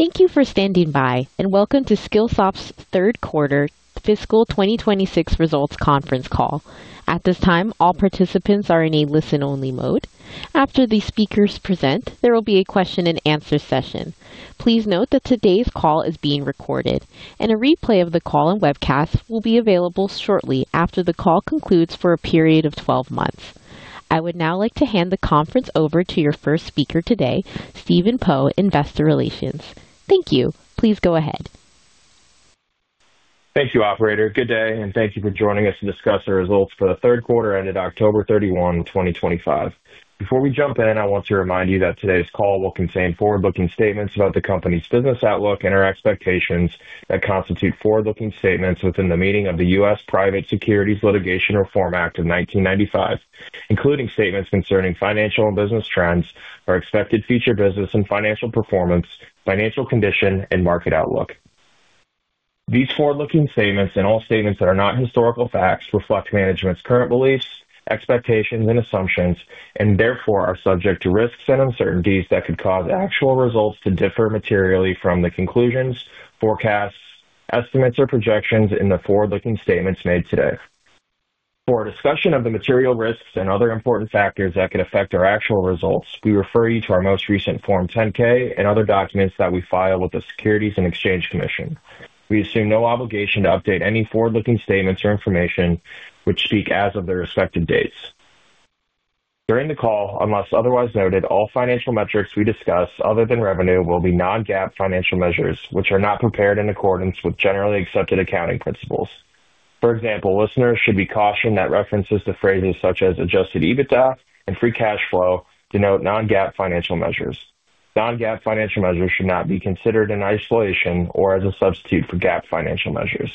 Thank you for standing by, and welcome to Skillsoft's third quarter fiscal 2026 results conference call. At this time, all participants are in a listen-only mode. After the speakers present, there will be a question-and-answer session. Please note that today's call is being recorded, and a replay of the call and webcast will be available shortly after the call concludes for a period of 12 months. I would now like to hand the conference over to your first speaker today, Stephen Poe, Investor Relations. Thank you. Please go ahead. Thank you, Operator. Good day, and thank you for joining us to discuss the results for the third quarter ended October 31, 2025. Before we jump in, I want to remind you that today's call will contain forward-looking statements about the company's business outlook and our expectations that constitute forward-looking statements within the meaning of the U.S. Private Securities Litigation Reform Act of 1995, including statements concerning financial and business trends, our expected future business and financial performance, financial condition, and market outlook. These forward-looking statements and all statements that are not historical facts reflect management's current beliefs, expectations, and assumptions, and therefore are subject to risks and uncertainties that could cause actual results to differ materially from the conclusions, forecasts, estimates, or projections in the forward-looking statements made today. For discussion of the material risks and other important factors that could affect our actual results, we refer you to our most recent Form 10-K and other documents that we file with the Securities and Exchange Commission. We assume no obligation to update any forward-looking statements or information which speak as of their respective dates. During the call, unless otherwise noted, all financial metrics we discuss, other than revenue, will be non-GAAP financial measures which are not prepared in accordance with generally accepted accounting principles. For example, listeners should be cautioned that references to phrases such as Adjusted EBITDA and free cash flow denote non-GAAP financial measures. Non-GAAP financial measures should not be considered in isolation or as a substitute for GAAP financial measures.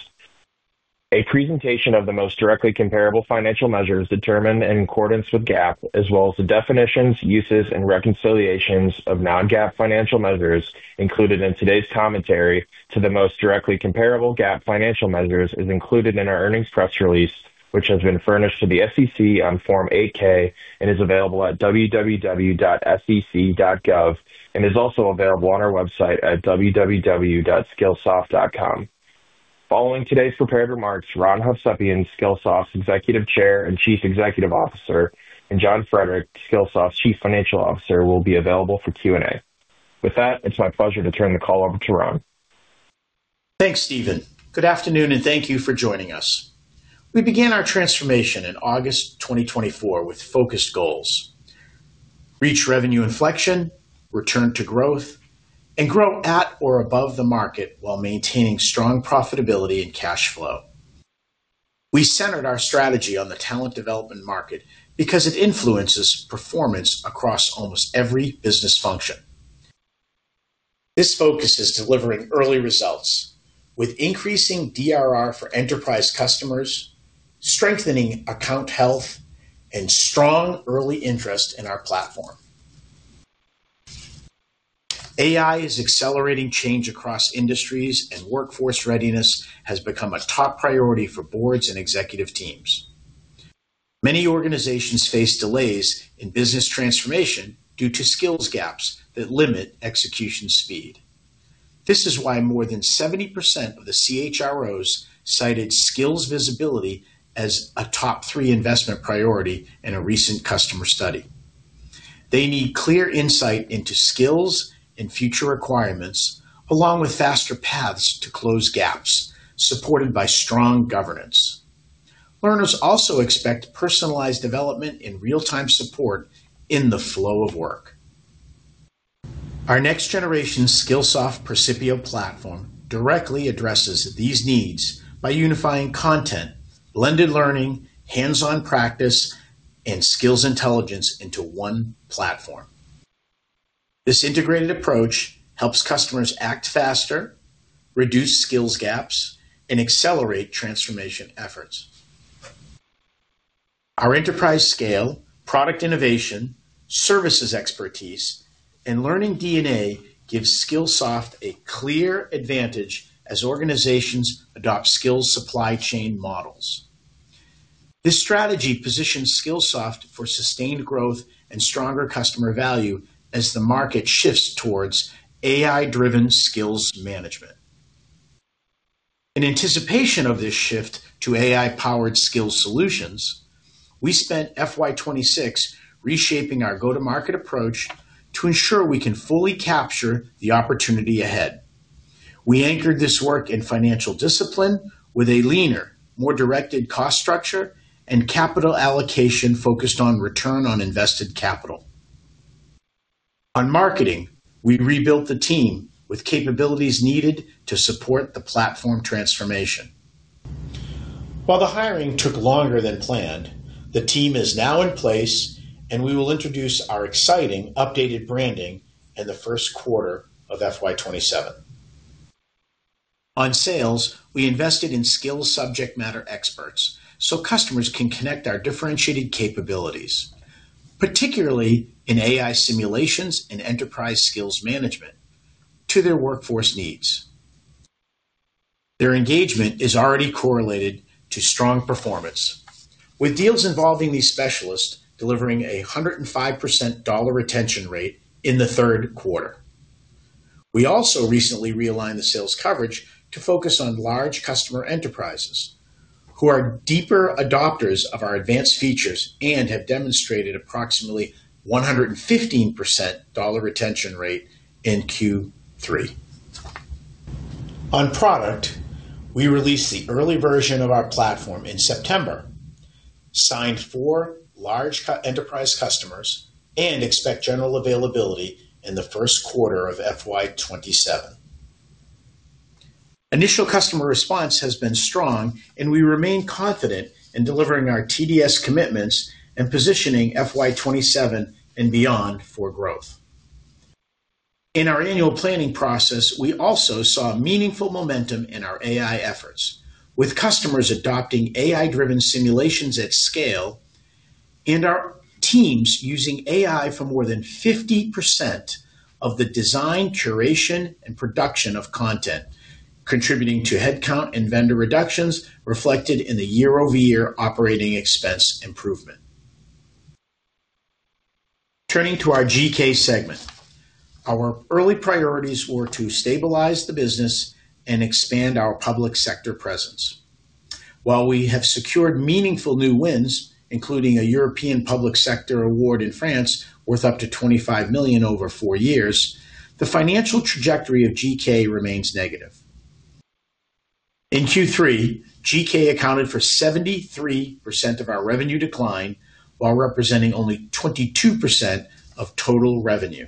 A presentation of the most directly comparable financial measures determined in accordance with GAAP, as well as the definitions, uses, and reconciliations of non-GAAP financial measures included in today's commentary to the most directly comparable GAAP financial measures, is included in our earnings press release, which has been furnished to the SEC on Form 8-K and is available at www.sec.gov, and is also available on our website at www.skillsoft.com. Following today's prepared remarks, Ron Hovsepian, Skillsoft's Executive Chair and Chief Executive Officer, and John Frederick, Skillsoft's Chief Financial Officer, will be available for Q&A. With that, it's my pleasure to turn the call over to Ron. Thanks, Stephen. Good afternoon, and thank you for joining us. We began our transformation in August 2024 with focused goals: reach revenue inflection, return to growth, and grow at or above the market while maintaining strong profitability and cash flow. We centered our strategy on the talent development market because it influences performance across almost every business function. This focus is delivering early results with increasing DRR for enterprise customers, strengthening account health, and strong early interest in our platform. AI is accelerating change across industries, and workforce readiness has become a top priority for boards and executive teams. Many organizations face delays in business transformation due to skills gaps that limit execution speed. This is why more than 70% of the CHROs cited skills visibility as a top three investment priority in a recent customer study. They need clear insight into skills and future requirements, along with faster paths to close gaps, supported by strong governance. Learners also expect personalized development and real-time support in the flow of work. Our next-generation Skillsoft Percipio platform directly addresses these needs by unifying content, blended learning, hands-on practice, and skills intelligence into one platform. This integrated approach helps customers act faster, reduce skills gaps, and accelerate transformation efforts. Our enterprise scale, product innovation, services expertise, and learning DNA give Skillsoft a clear advantage as organizations adopt skills supply chain models. This strategy positions Skillsoft for sustained growth and stronger customer value as the market shifts towards AI-driven skills management. In anticipation of this shift to AI-powered skills solutions, we spent FY 2026 reshaping our go-to-market approach to ensure we can fully capture the opportunity ahead. We anchored this work in financial discipline with a leaner, more directed cost structure and capital allocation focused on return on invested capital. On marketing, we rebuilt the team with capabilities needed to support the platform transformation. While the hiring took longer than planned, the team is now in place, and we will introduce our exciting updated branding in the first quarter of FY 2027. On sales, we invested in skills subject matter experts so customers can connect our differentiated capabilities, particularly in AI simulations and enterprise skills management, to their workforce needs. Their engagement is already correlated to strong performance, with deals involving these specialists delivering a 105% dollar retention rate in the third quarter. We also recently realigned the sales coverage to focus on large customer enterprises who are deeper adopters of our advanced features and have demonstrated approximately 115% dollar retention rate in Q3. On product, we released the early version of our platform in September, signed for large enterprise customers, and expect general availability in the first quarter of FY 2027. Initial customer response has been strong, and we remain confident in delivering our TDS commitments and positioning FY 2027 and beyond for growth. In our annual planning process, we also saw meaningful momentum in our AI efforts, with customers adopting AI-driven simulations at scale and our teams using AI for more than 50% of the design, curation, and production of content, contributing to headcount and vendor reductions reflected in the year-over-year operating expense improvement. Turning to our GK segment, our early priorities were to stabilize the business and expand our public sector presence. While we have secured meaningful new wins, including a European public sector award in France worth up to $25 million over four years, the financial trajectory of GK remains negative. In Q3, GK accounted for 73% of our revenue decline, while representing only 22% of total revenue.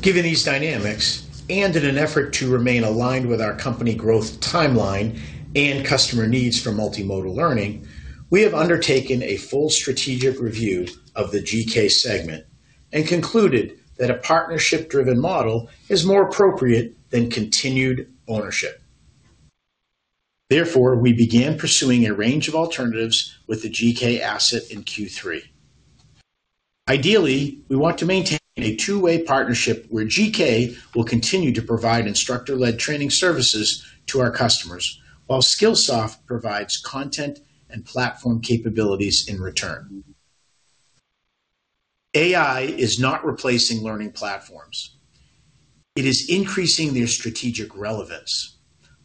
Given these dynamics, and in an effort to remain aligned with our company growth timeline and customer needs for multimodal learning, we have undertaken a full strategic review of the GK segment and concluded that a partnership-driven model is more appropriate than continued ownership. Therefore, we began pursuing a range of alternatives with the GK asset in Q3. Ideally, we want to maintain a two-way partnership where GK will continue to provide instructor-led training services to our customers, while Skillsoft provides content and platform capabilities in return. AI is not replacing learning platforms. It is increasing their strategic relevance.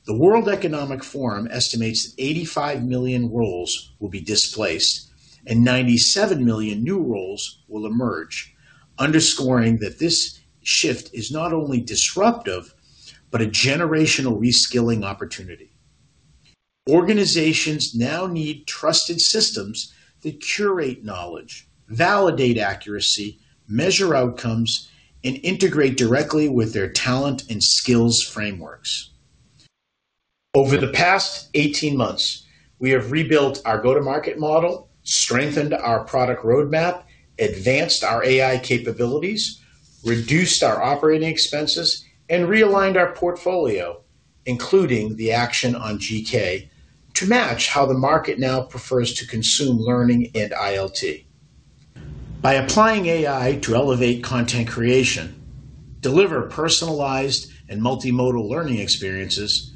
The World Economic Forum estimates that 85 million roles will be displaced, and 97 million new roles will emerge, underscoring that this shift is not only disruptive but a generational reskilling opportunity. Organizations now need trusted systems that curate knowledge, validate accuracy, measure outcomes, and integrate directly with their talent and skills frameworks. Over the past 18 months, we have rebuilt our go-to-market model, strengthened our product roadmap, advanced our AI capabilities, reduced our operating expenses, and realigned our portfolio, including the action on GK, to match how the market now prefers to consume learning and ILT. By applying AI to elevate content creation, deliver personalized and multimodal learning experiences,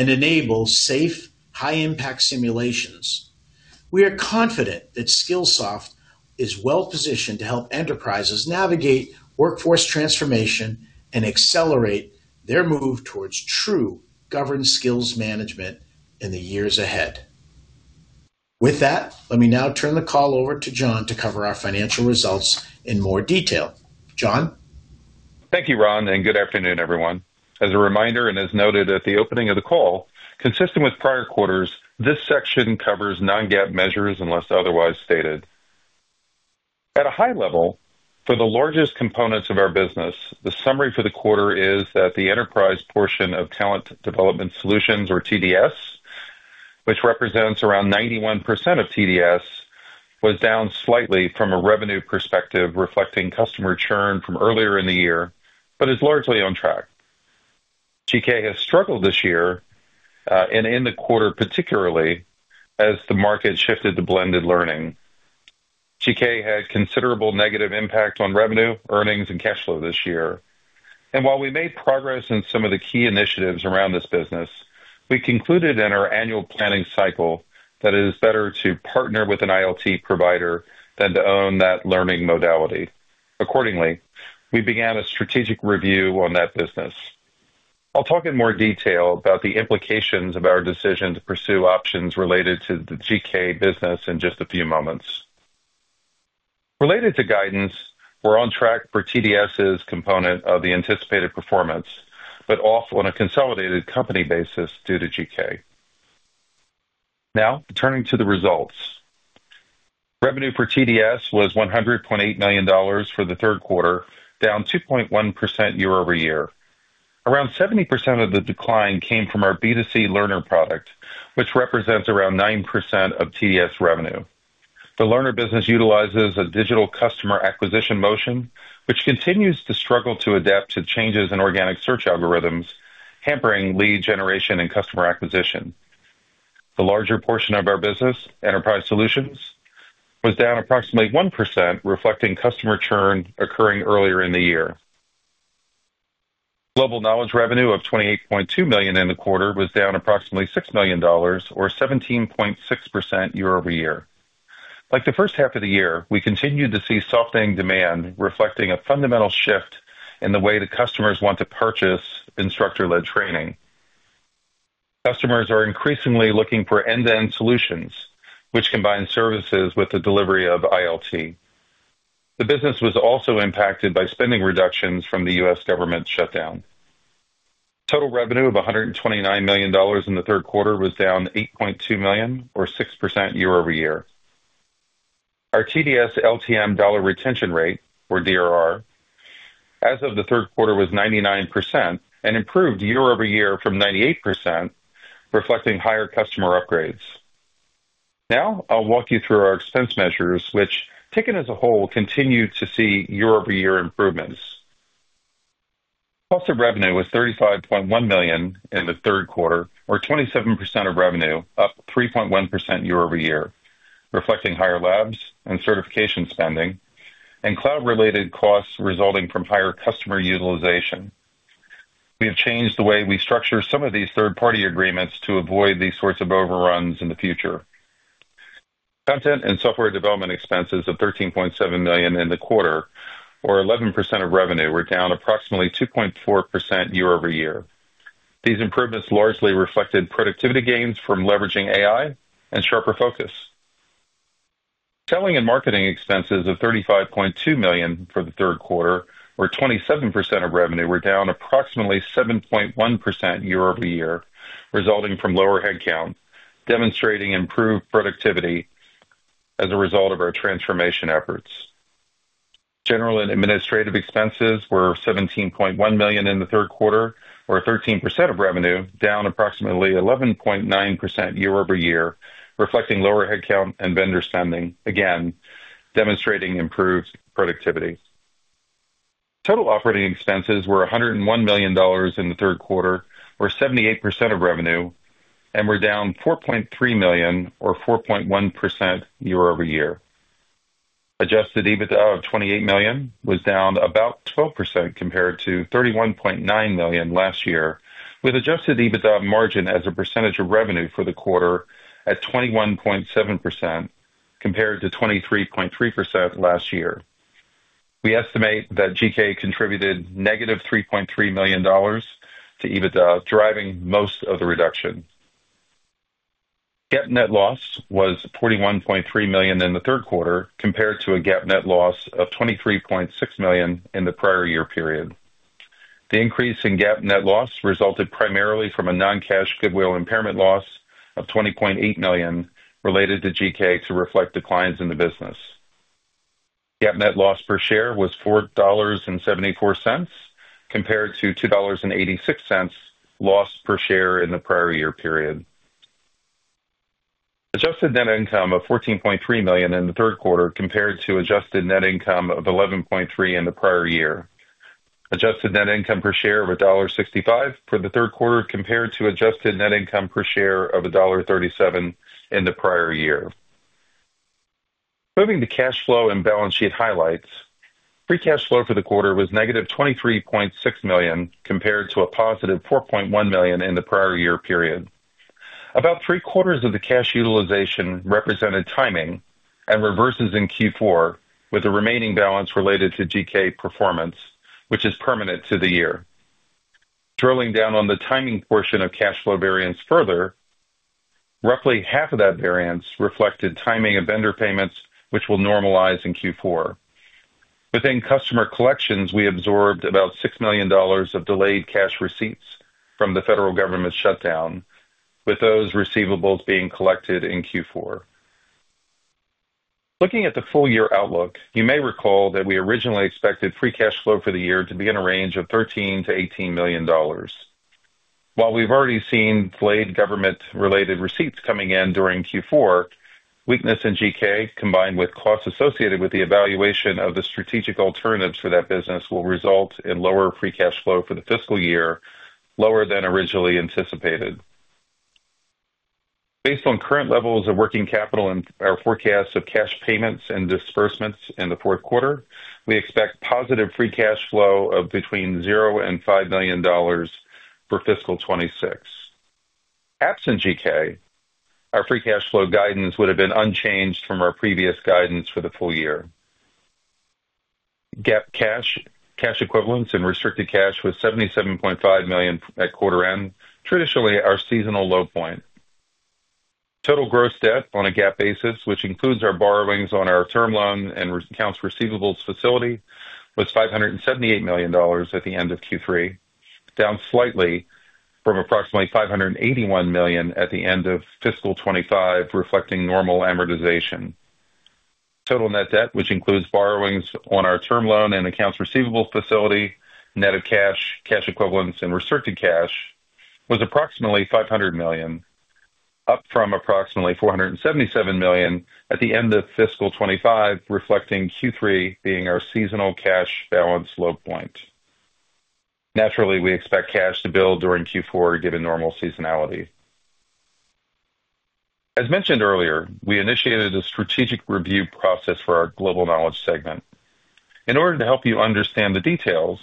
and enable safe, high-impact simulations, we are confident that Skillsoft is well-positioned to help enterprises navigate workforce transformation and accelerate their move towards true governed skills management in the years ahead. With that, let me now turn the call over to John to cover our financial results in more detail. John? Thank you, Ron, and good afternoon, everyone. As a reminder, and as noted at the opening of the call, consistent with prior quarters, this section covers non-GAAP measures unless otherwise stated. At a high level, for the largest components of our business, the summary for the quarter is that the enterprise portion of Talent Development Solutions, or TDS, which represents around 91% of TDS, was down slightly from a revenue perspective reflecting customer churn from earlier in the year, but is largely on track. GK has struggled this year, and in the quarter particularly, as the market shifted to blended learning. GK had considerable negative impact on revenue, earnings, and cash flow this year. While we made progress in some of the key initiatives around this business, we concluded in our annual planning cycle that it is better to partner with an ILT provider than to own that learning modality. Accordingly, we began a strategic review on that business. I'll talk in more detail about the implications of our decision to pursue options related to the GK business in just a few moments. Related to guidance, we're on track for TDS' component of the anticipated performance, but off on a consolidated company basis due to GK. Now, turning to the results. Revenue for TDS was $100.8 million for the third quarter, down 2.1% year-over-year. Around 70% of the decline came from our B2C learner product, which represents around 9% of TDS revenue. The learner business utilizes a digital customer acquisition motion, which continues to struggle to adapt to changes in organic search algorithms, hampering lead generation and customer acquisition. The larger portion of our business, Enterprise Solutions, was down approximately 1%, reflecting customer churn occurring earlier in the year. Global Knowledge revenue of $28.2 million in the quarter was down approximately $6 million, or 17.6% year-over-year. Like the first half of the year, we continued to see softening demand, reflecting a fundamental shift in the way that customers want to purchase instructor-led training. Customers are increasingly looking for end-to-end solutions, which combine services with the delivery of ILT. The business was also impacted by spending reductions from the U.S. government shutdown. Total revenue of $129 million in the third quarter was down $8.2 million, or 6% year-over-year. Our TDS LTM dollar retention rate, or DRR, as of the third quarter, was 99% and improved year-over-year from 98%, reflecting higher customer upgrades. Now, I'll walk you through our expense measures, which, taken as a whole, continue to see year-over-year improvements. Cost of revenue was $35.1 million in the third quarter, or 27% of revenue, up 3.1% year-over-year, reflecting higher labs and certification spending and cloud-related costs resulting from higher customer utilization. We have changed the way we structure some of these third-party agreements to avoid these sorts of overruns in the future. Content and software development expenses of $13.7 million in the quarter, or 11% of revenue, were down approximately 2.4% year-over-year. These improvements largely reflected productivity gains from leveraging AI and sharper focus. Selling and marketing expenses of $35.2 million for the third quarter, or 27% of revenue, were down approximately 7.1% year-over-year, resulting from lower headcount, demonstrating improved productivity as a result of our transformation efforts. General and administrative expenses were $17.1 million in the third quarter, or 13% of revenue, down approximately 11.9% year-over-year, reflecting lower headcount and vendor spending, again demonstrating improved productivity. Total operating expenses were $101 million in the third quarter, or 78% of revenue, and were down $4.3 million, or 4.1% year-over-year. Adjusted EBITDA of $28 million was down about 12% compared to $31.9 million last year, with adjusted EBITDA margin as a percentage of revenue for the quarter at 21.7% compared to 23.3% last year. We estimate that GK contributed $3.3 million to EBITDA, driving most of the reduction. GAAP net loss was $41.3 million in the third quarter compared to a GAAP net loss of $23.6 million in the prior year period. The increase in GAAP net loss resulted primarily from a non-cash goodwill impairment loss of $20.8 million related to GK to reflect declines in the business. GAAP net loss per share was $4.74 compared to $2.86 loss per share in the prior year period. Adjusted net income of $14.3 million in the third quarter compared to adjusted net income of $11.3 million in the prior year. Adjusted net income per share of $1.65 for the third quarter compared to adjusted net income per share of $1.37 in the prior year. Moving to cash flow and balance sheet highlights, free cash flow for the quarter was -$23.6 million compared to a positive $4.1 million in the prior year period. About three quarters of the cash utilization represented timing and reversals in Q4, with the remaining balance related to GK performance, which is permanent to the year. Drilling down on the timing portion of cash flow variance further, roughly half of that variance reflected timing of vendor payments, which will normalize in Q4. Within customer collections, we absorbed about $6 million of delayed cash receipts from the federal government shutdown, with those receivables being collected in Q4. Looking at the full year outlook, you may recall that we originally expected free cash flow for the year to be in a range of $13 million-$18 million. While we've already seen delayed government-related receipts coming in during Q4, weakness in GK, combined with costs associated with the evaluation of the strategic alternatives for that business, will result in lower free cash flow for the fiscal year, lower than originally anticipated. Based on current levels of working capital and our forecast of cash payments and disbursements in the fourth quarter, we expect positive free cash flow of between $0 and $5 million for fiscal 2026. Absent GK, our free cash flow guidance would have been unchanged from our previous guidance for the full year. GAAP cash, cash equivalents, and restricted cash was $77.5 million at quarter end, traditionally our seasonal low point. Total gross debt on a GAAP basis, which includes our borrowings on our term loan and accounts receivables facility, was $578 million at the end of Q3, down slightly from approximately $581 million at the end of fiscal 2025, reflecting normal amortization. Total net debt, which includes borrowings on our term loan and accounts receivables facility, net of cash, cash equivalents, and restricted cash, was approximately $500 million, up from approximately $477 million at the end of fiscal 2025, reflecting Q3 being our seasonal cash balance low point. Naturally, we expect cash to build during Q4, given normal seasonality. As mentioned earlier, we initiated a strategic review process for our Global Knowledge segment. In order to help you understand the details,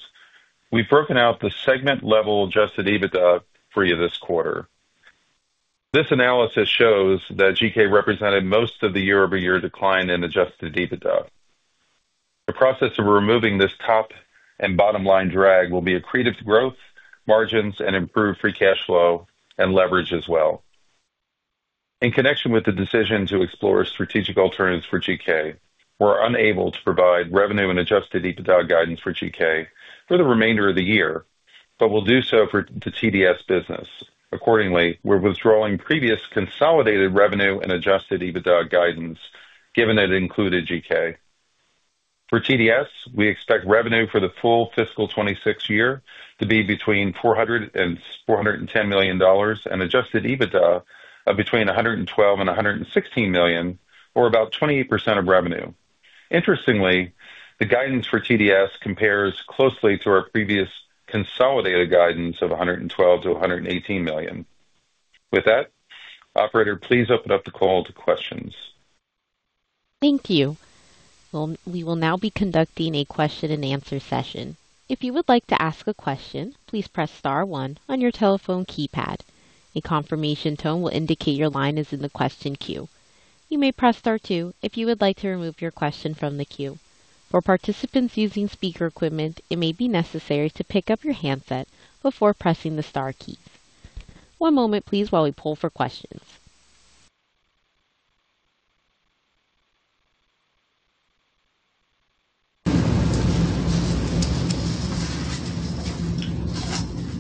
we've broken out the segment-level adjusted EBITDA for you this quarter. This analysis shows that GK represented most of the year-over-year decline in adjusted EBITDA. The process of removing this top and bottom line drag will be accretive to growth, margins, and improved free cash flow and leverage as well. In connection with the decision to explore strategic alternatives for GK, we're unable to provide revenue and adjusted EBITDA guidance for GK for the remainder of the year, but we'll do so for the TDS business. Accordingly, we're withdrawing previous consolidated revenue and adjusted EBITDA guidance, given it included GK. For TDS, we expect revenue for the full fiscal 2026 year to be between $400 million-$410 million and adjusted EBITDA of between $112 million-$116 million, or about 28% of revenue. Interestingly, the guidance for TDS compares closely to our previous consolidated guidance of $112 million-$118 million. With that, Operator, please open up the call to questions. Thank you. We will now be conducting a question-and-answer session. If you would like to ask a question, please press star one on your telephone keypad. A confirmation tone will indicate your line is in the question queue. You may press star two if you would like to remove your question from the queue. For participants using speaker equipment, it may be necessary to pick up your handset before pressing the star keys. One moment, please, while we pull for questions.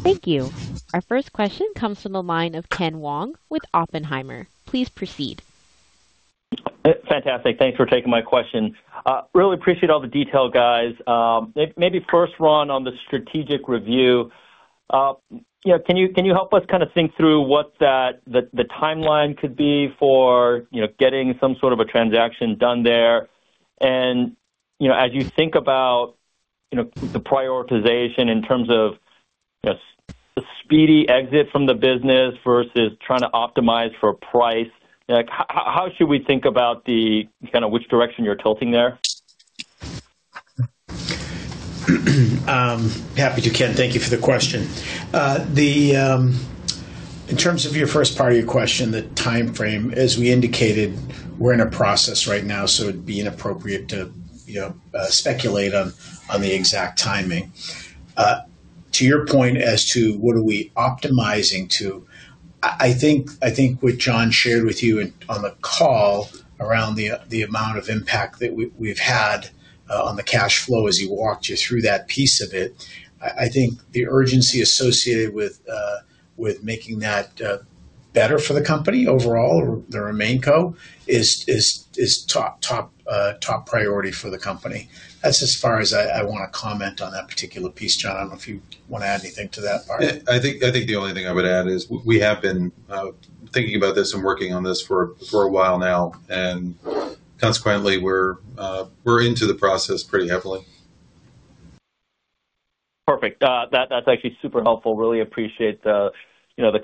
Thank you. Our first question comes from the line of Ken Wong with Oppenheimer. Please proceed. Fantastic. Thanks for taking my question. Really appreciate all the detail, guys. Maybe first, Ron, on the strategic review, can you help us kind of think through what the timeline could be for getting some sort of a transaction done there? And as you think about the prioritization in terms of the speedy exit from the business versus trying to optimize for price, how should we think about kind of which direction you're tilting there? Happy to, Ken. Thank you for the question. In terms of your first part of your question, the timeframe, as we indicated, we're in a process right now, so it'd be inappropriate to speculate on the exact timing. To your point as to what are we optimizing to, I think what John shared with you on the call around the amount of impact that we've had on the cash flow as he walked you through that piece of it, I think the urgency associated with making that better for the company overall, is top priority for the company. That's as far as I want to comment on that particular piece, John. I don't know if you want to add anything to that part. Yeah. I think the only thing I would add is we have been thinking about this and working on this for a while now, and consequently, we're into the process pretty heavily. Perfect. That's actually super helpful. Really appreciate the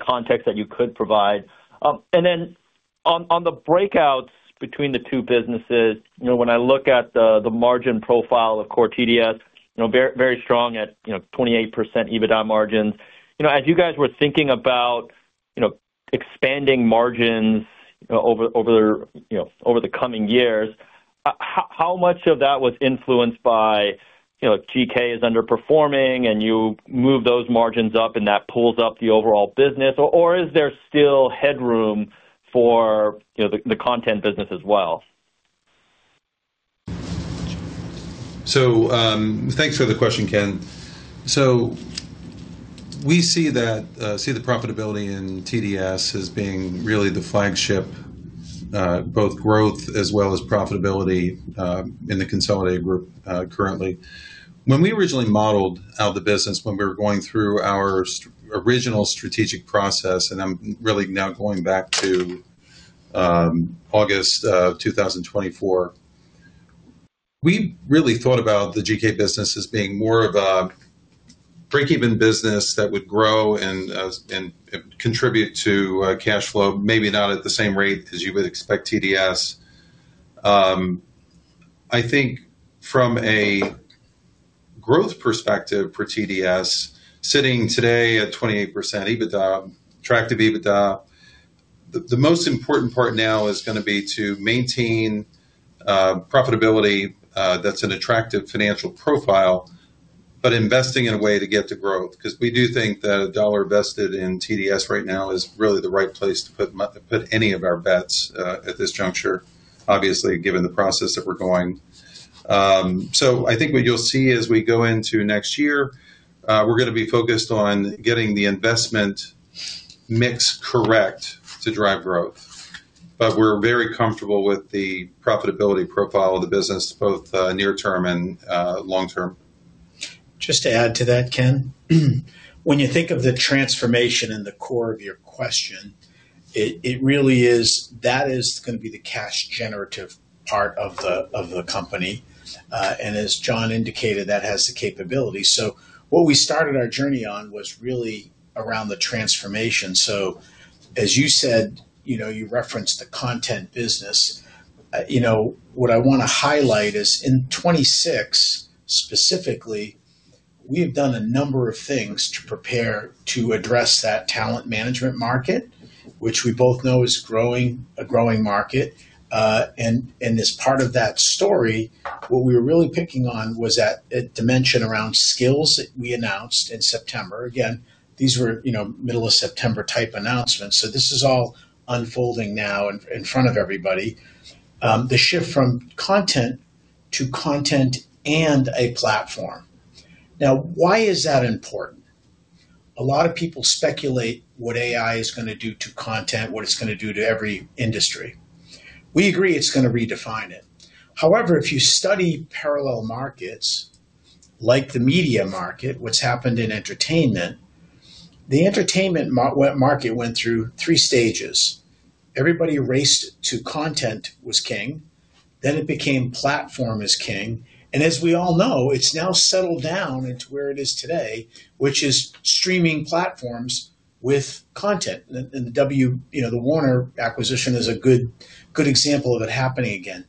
context that you could provide, and then on the breakouts between the two businesses, when I look at the margin profile of core TDS, very strong at 28% EBITDA margins. As you guys were thinking about expanding margins over the coming years, how much of that was influenced by GK is underperforming and you move those margins up and that pulls up the overall business, or is there still headroom for the content business as well? So thanks for the question, Ken. So we see the profitability in TDS as being really the flagship, both growth as well as profitability in the consolidated group currently. When we originally modeled out the business, when we were going through our original strategic process, and I'm really now going back to August of 2024, we really thought about the GK business as being more of a break-even business that would grow and contribute to cash flow, maybe not at the same rate as you would expect TDS. I think from a growth perspective for TDS, sitting today at 28% EBITDA, attractive EBITDA, the most important part now is going to be to maintain profitability. That's an attractive financial profile, but investing in a way to get to growth, because we do think that a dollar invested in TDS right now is really the right place to put any of our bets at this juncture, obviously, given the process that we're going, so I think what you'll see as we go into next year, we're going to be focused on getting the investment mix correct to drive growth, but we're very comfortable with the profitability profile of the business, both near-term and long-term. Just to add to that, Ken, when you think of the transformation in the core of your question, it really is, that is going to be the cash-generative part of the company. And as John indicated, that has the capability. So what we started our journey on was really around the transformation. So as you said, you referenced the content business. What I want to highlight is in 2026, specifically, we have done a number of things to prepare to address that talent management market, which we both know is a growing market. And as part of that story, what we were really picking on was that dimension around skills that we announced in September. Again, these were middle of September type announcements. So this is all unfolding now in front of everybody, the shift from content to content and a platform. Now, why is that important? A lot of people speculate what AI is going to do to content, what it's going to do to every industry. We agree it's going to redefine it. However, if you study parallel markets like the media market, what's happened in entertainment. The entertainment market went through three stages. Everybody raced to content was king, then it became platform is king, and as we all know, it's now settled down into where it is today, which is streaming platforms with content, and the Warner acquisition is a good example of it happening again.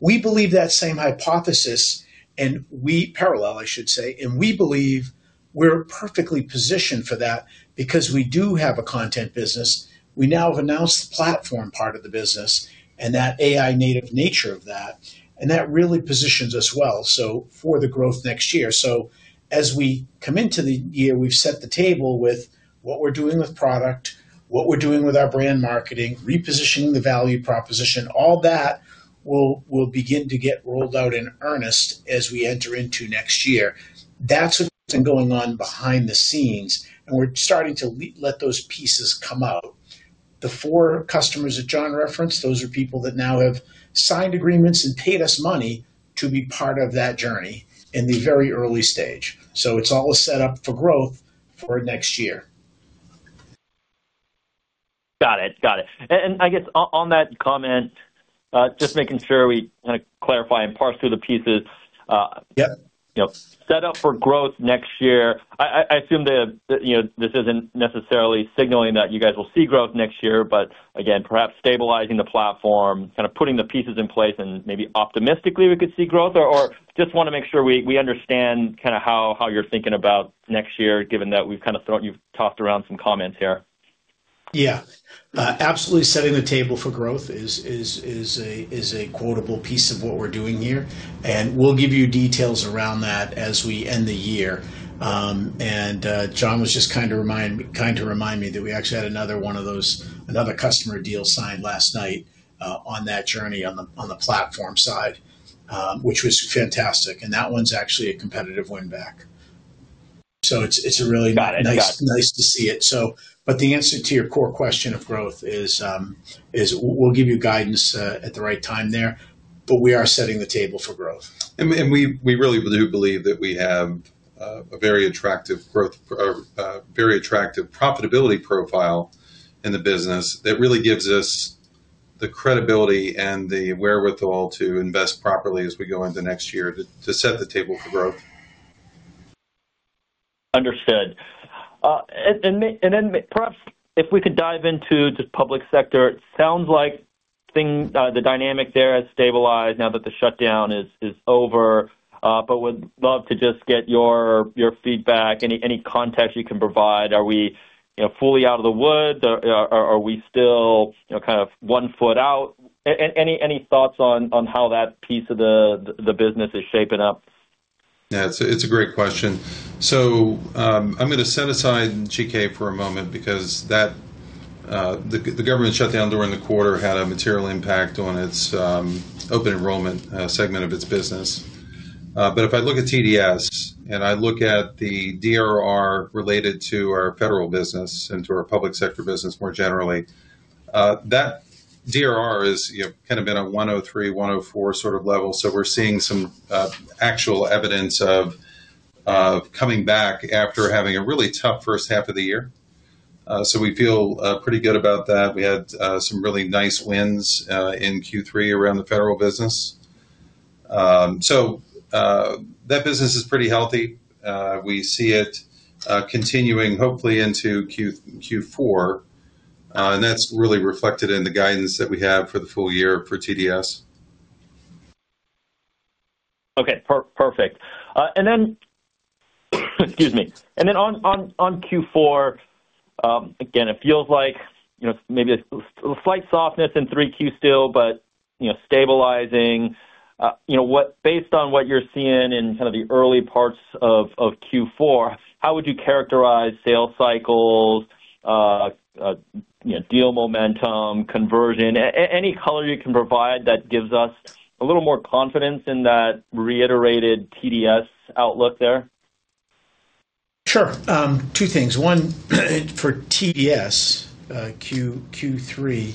We believe that same hypothesis, and we parallel, I should say, and we believe we're perfectly positioned for that because we do have a content business. We now have announced the platform part of the business and that AI-native nature of that, and that really positions us well for the growth next year. So as we come into the year, we've set the table with what we're doing with product, what we're doing with our brand marketing, repositioning the value proposition. All that will begin to get rolled out in earnest as we enter into next year. That's what's been going on behind the scenes, and we're starting to let those pieces come out. The four customers that John referenced, those are people that now have signed agreements and paid us money to be part of that journey in the very early stage. So it's all set up for growth for next year. Got it. Got it. And I guess on that comment, just making sure we kind of clarify and parse through the pieces. Set up for growth next year. I assume this isn't necessarily signaling that you guys will see growth next year, but again, perhaps stabilizing the platform, kind of putting the pieces in place and maybe optimistically we could see growth, or just want to make sure we understand kind of how you're thinking about next year, given that we've kind of thrown you've tossed around some comments here. Yeah. Absolutely setting the table for growth is a quotable piece of what we're doing here. And we'll give you details around that as we end the year. And John was just kind to remind me that we actually had another one of those, another customer deal signed last night on that journey on the platform side, which was fantastic. And that one's actually a competitive win back. So it's really nice to see it. But the answer to your core question of growth is we'll give you guidance at the right time there, but we are setting the table for growth. And we really do believe that we have a very attractive growth, very attractive profitability profile in the business that really gives us the credibility and the wherewithal to invest properly as we go into next year to set the table for growth. Understood. And then perhaps if we could dive into the public sector, it sounds like the dynamic there has stabilized now that the shutdown is over, but would love to just get your feedback, any context you can provide. Are we fully out of the woods? Are we still kind of one foot out? Any thoughts on how that piece of the business is shaping up? Yeah. It's a great question, so I'm going to set aside GK for a moment because the government shut down during the quarter had a material impact on its open enrollment segment of its business, but if I look at TDS and I look at the DRR related to our federal business and to our public sector business more generally, that DRR has kind of been a 103, 104 sort of level, so we're seeing some actual evidence of coming back after having a really tough first half of the year, so we feel pretty good about that. We had some really nice wins in Q3 around the federal business, so that business is pretty healthy. We see it continuing hopefully into Q4, and that's really reflected in the guidance that we have for the full year for TDS. Okay. Perfect. And then, excuse me. And then on Q4, again, it feels like maybe a slight softness in 3Q still, but stabilizing. Based on what you're seeing in kind of the early parts of Q4, how would you characterize sales cycles, deal momentum, conversion? Any color you can provide that gives us a little more confidence in that reiterated TDS outlook there? Sure. Two things. One, for TDS, Q3,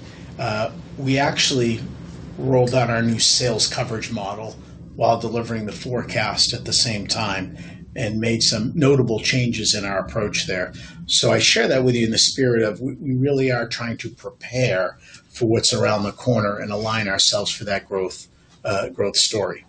we actually rolled out our new sales coverage model while delivering the forecast at the same time and made some notable changes in our approach there, so I share that with you in the spirit of we really are trying to prepare for what's around the corner and align ourselves for that growth story.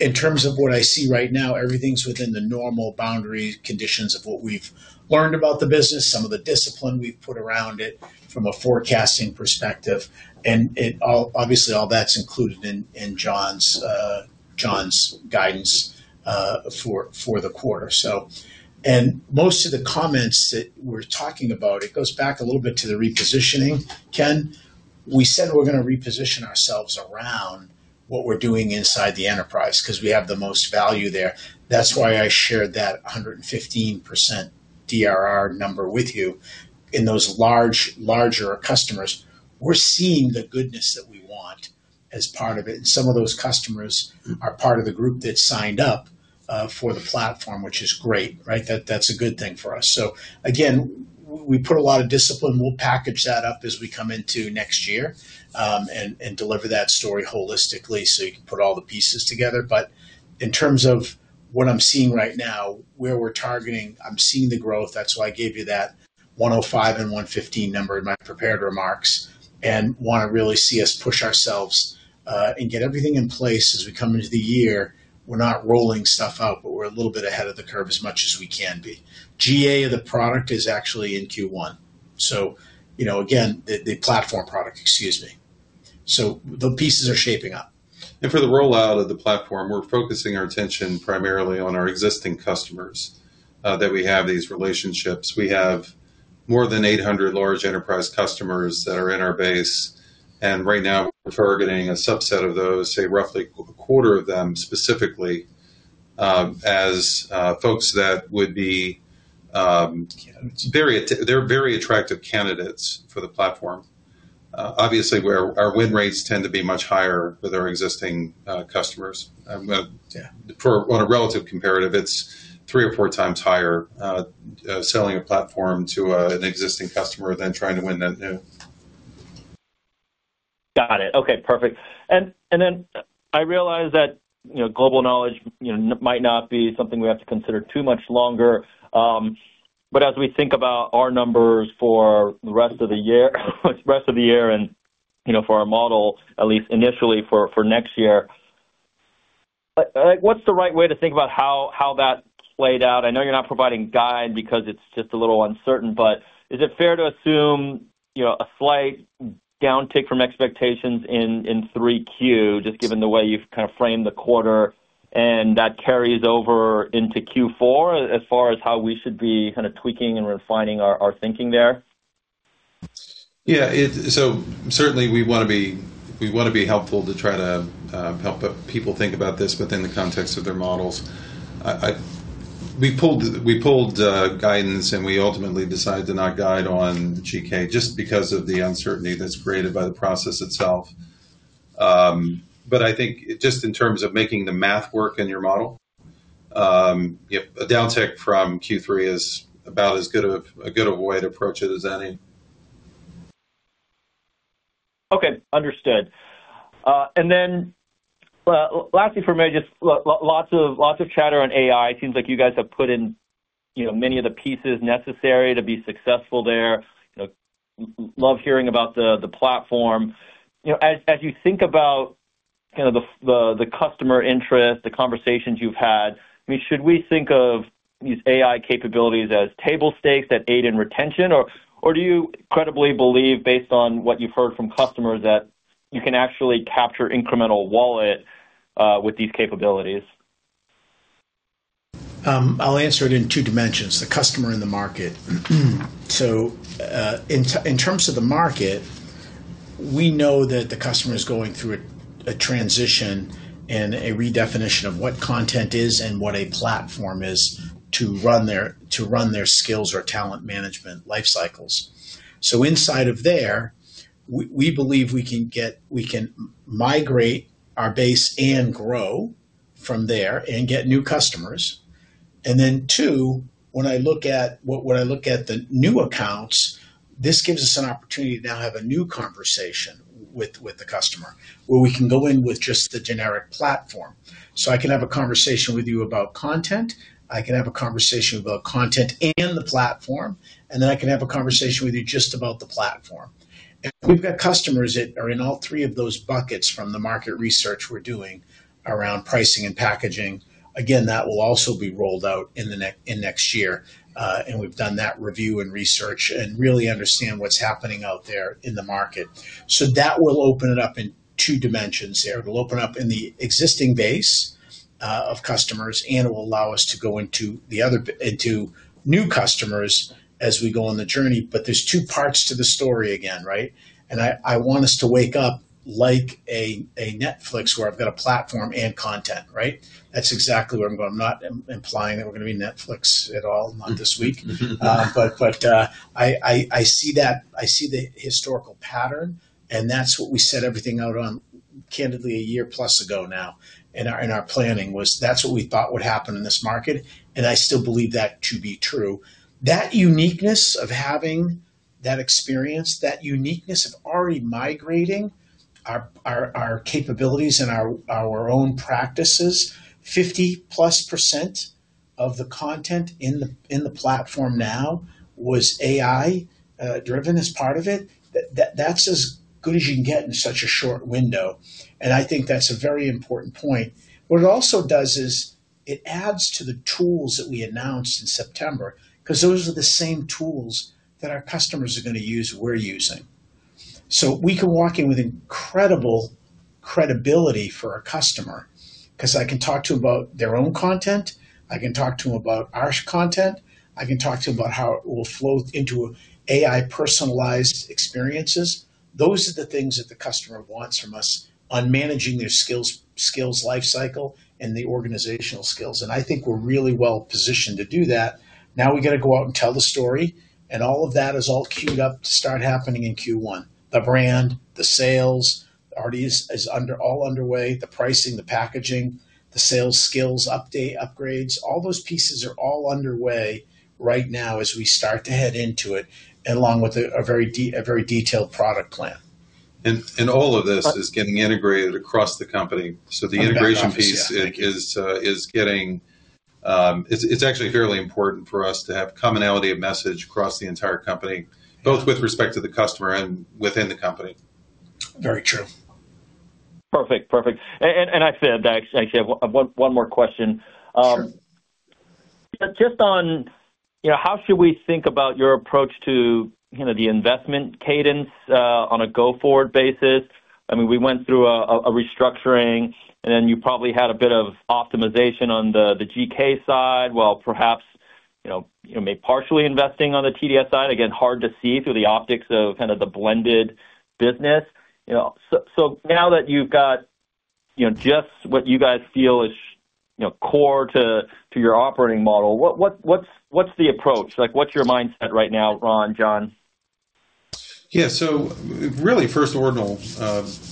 In terms of what I see right now, everything's within the normal boundary conditions of what we've learned about the business, some of the discipline we've put around it from a forecasting perspective, and obviously, all that's included in John's guidance for the quarter, and most of the comments that we're talking about, it goes back a little bit to the repositioning. Ken, we said we're going to reposition ourselves around what we're doing inside the enterprise because we have the most value there. That's why I shared that 115% DRR number with you in those larger customers. We're seeing the goodness that we want as part of it, and some of those customers are part of the group that signed up for the platform, which is great, right? That's a good thing for us, so again, we put a lot of discipline. We'll package that up as we come into next year and deliver that story holistically so you can put all the pieces together, but in terms of what I'm seeing right now, where we're targeting, I'm seeing the growth. That's why I gave you that 105 and 115 number in my prepared remarks and want to really see us push ourselves and get everything in place as we come into the year. We're not rolling stuff out, but we're a little bit ahead of the curve as much as we can be. GA of the product is actually in Q1. So again, the platform product, excuse me. So the pieces are shaping up. And for the rollout of the platform, we're focusing our attention primarily on our existing customers that we have these relationships. We have more than 800 large enterprise customers that are in our base. And right now, we're targeting a subset of those, say, roughly a quarter of them specifically as folks that would be very attractive candidates for the platform. Obviously, our win rates tend to be much higher with our existing customers. On a relative comparative, it's three or four times higher selling a platform to an existing customer than trying to win that new. Got it. Okay. Perfect. And then I realize that Global Knowledge might not be something we have to consider too much longer. But as we think about our numbers for the rest of the year, the rest of the year and for our model, at least initially for next year, what's the right way to think about how that played out? I know you're not providing guide because it's just a little uncertain, but is it fair to assume a slight downtick from expectations in 3Q, just given the way you've kind of framed the quarter, and that carries over into Q4 as far as how we should be kind of tweaking and refining our thinking there? Yeah. So certainly, we want to be helpful to try to help people think about this within the context of their models. We pulled guidance, and we ultimately decided to not guide on GK just because of the uncertainty that's created by the process itself. But I think just in terms of making the math work in your model, a downtick from Q3 is about as good of a way to approach it as any. Okay. Understood, and then lastly, for me, just lots of chatter on AI. It seems like you guys have put in many of the pieces necessary to be successful there. Love hearing about the platform. As you think about kind of the customer interest, the conversations you've had, I mean, should we think of these AI capabilities as table stakes that aid in retention, or do you credibly believe, based on what you've heard from customers, that you can actually capture incremental wallet with these capabilities? I'll answer it in two dimensions: the customer and the market. So in terms of the market, we know that the customer is going through a transition and a redefinition of what content is and what a platform is to run their skills or talent management life cycles. So inside of there, we believe we can migrate our base and grow from there and get new customers. And then two, when I look at the new accounts, this gives us an opportunity to now have a new conversation with the customer where we can go in with just the generic platform. So I can have a conversation with you about content. I can have a conversation about content and the platform. And then I can have a conversation with you just about the platform. And we've got customers that are in all three of those buckets from the market research we're doing around pricing and packaging. Again, that will also be rolled out in next year. And we've done that review and research and really understand what's happening out there in the market. So that will open it up in two dimensions there. It'll open up in the existing base of customers, and it will allow us to go into new customers as we go on the journey. But there's two parts to the story again, right? And I want us to wake up like a Netflix where I've got a platform and content, right? That's exactly where I'm going. I'm not implying that we're going to be Netflix at all, not this week. But I see the historical pattern, and that's what we set everything out on candidly a year plus ago now in our planning. That was that's what we thought would happen in this market. And I still believe that to be true. That uniqueness of having that experience, that uniqueness of already migrating our capabilities and our own practices, 50%+ of the content in the platform now was AI-driven as part of it. That's as good as you can get in such a short window. And I think that's a very important point. What it also does is it adds to the tools that we announced in September because those are the same tools that our customers are going to use. We're using. So we can walk in with incredible credibility for our customer because I can talk to them about their own content. I can talk to them about our content. I can talk to them about how it will flow into AI-personalized experiences. Those are the things that the customer wants from us on managing their skills life cycle and the organizational skills. And I think we're really well positioned to do that. Now we got to go out and tell the story. And all of that is all queued up to start happening in Q1. The brand, the sales already is all underway, the pricing, the packaging, the sales skills upgrades. All those pieces are all underway right now as we start to head into it along with a very detailed product plan. All of this is getting integrated across the company. The integration piece is getting. It's actually fairly important for us to have commonality of message across the entire company, both with respect to the customer and within the company. Very true. Perfect. Perfect, and I said that. I actually have one more question. Just on how should we think about your approach to the investment cadence on a go-forward basis? I mean, we went through a restructuring, and then you probably had a bit of optimization on the GK side while perhaps maybe partially investing on the TDS side. Again, hard to see through the optics of kind of the blended business. So now that you've got just what you guys feel is core to your operating model, what's the approach? What's your mindset right now, Ron, John? Yeah, so really, first order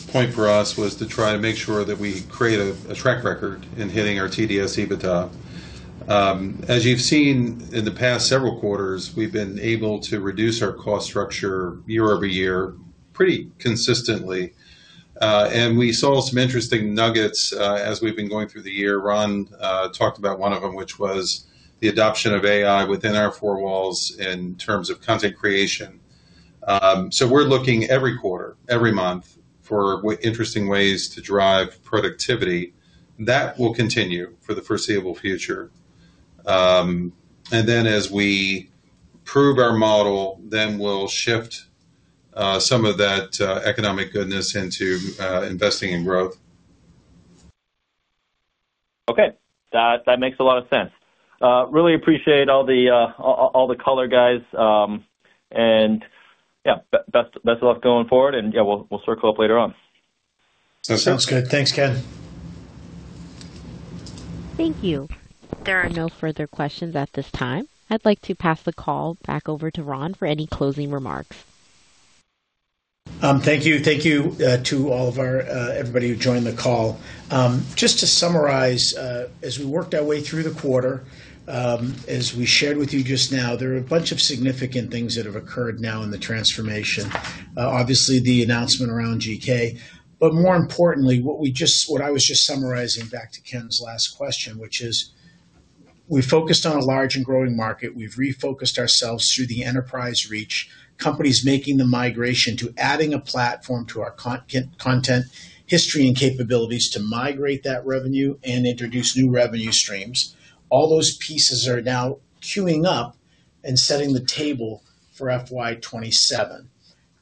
point for us was to try to make sure that we create a track record in hitting our TDS EBITDA. As you've seen in the past several quarters, we've been able to reduce our cost structure year-over-year pretty consistently, and we saw some interesting nuggets as we've been going through the year. Ron talked about one of them, which was the adoption of AI within our four walls in terms of content creation, so we're looking every quarter, every month for interesting ways to drive productivity. That will continue for the foreseeable future, and then as we prove our model, then we'll shift some of that economic goodness into investing in growth. Okay. That makes a lot of sense. Really appreciate all the color, guys. And yeah, best of luck going forward. And yeah, we'll circle up later on. Sounds good. Thanks, Ken. Thank you. There are no further questions at this time. I'd like to pass the call back over to Ron for any closing remarks. Thank you. Thank you to everybody who joined the call. Just to summarize, as we worked our way through the quarter, as we shared with you just now, there are a bunch of significant things that have occurred now in the transformation. Obviously, the announcement around GK, but more importantly, what I was just summarizing back to Ken's last question, which is we focused on a large and growing market. We've refocused ourselves through the enterprise reach, companies making the migration to adding a platform to our content history and capabilities to migrate that revenue and introduce new revenue streams. All those pieces are now queuing up and setting the table for FY 2027.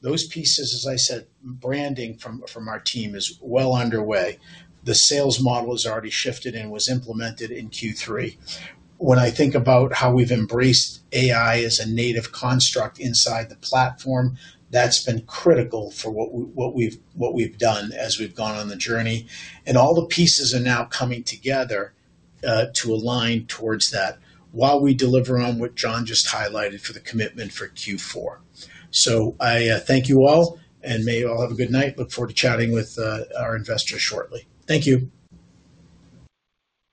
Those pieces, as I said, branding from our team is well underway. The sales model has already shifted and was implemented in Q3. When I think about how we've embraced AI as a native construct inside the platform, that's been critical for what we've done as we've gone on the journey, and all the pieces are now coming together to align toward that while we deliver on what John just highlighted for the commitment for Q4, so I thank you all and may you all have a good night. Look forward to chatting with our investors shortly. Thank you.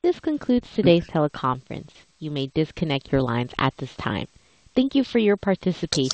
This concludes today's teleconference. You may disconnect your lines at this time. Thank you for your participation.